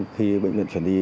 khi bệnh viện chuyển đi